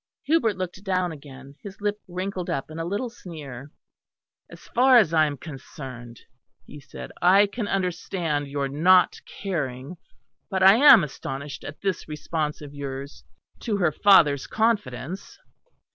Hubert looked down again; his lip wrinkled up in a little sneer. "As far as I am concerned," he said, "I can understand your not caring, but I am astonished at this response of yours to her father's confidence!"